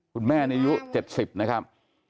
คุณแม่นี่อายุ๗๐นะครับ